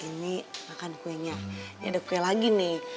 ini makan kuenya ini ada kue lagi nih